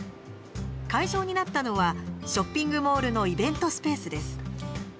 会場になったのはショッピングモールのイベントスペースです。